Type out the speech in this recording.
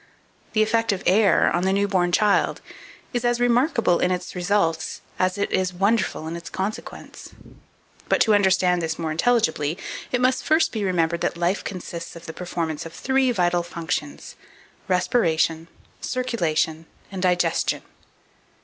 The effect of air on the new born child is as remarkable in its results as it is wonderful in its consequence; but to understand this more intelligibly, it must first be remembered that life consists of the performance of three vital functions RESPIRATION, CIRCULATION, and DIGESTION.